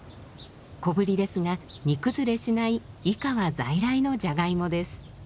小ぶりですが煮崩れしない井川在来のじゃがいもです。